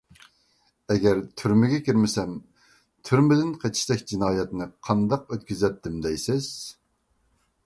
ئەگەر تۈرمىگە كىرمىسەم، تۈرمىدىن قېچىشتەك جىنايەتنى قانداق ئۆتكۈزەتتىم دەيسىز.